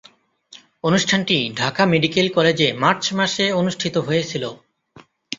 অনুষ্ঠানটি ঢাকা মেডিকেল কলেজে মার্চ মাসে অনুষ্ঠিত হয়েছিলো।